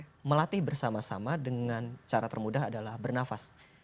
kita melatih bersama sama dengan cara termudah adalah bernafas